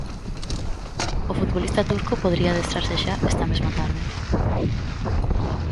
O futbolista turco podería adestrarse xa esta mesma tarde.